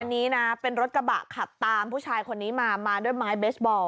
อันนี้นะเป็นรถกระบะขับตามผู้ชายคนนี้มามาด้วยไม้เบสบอล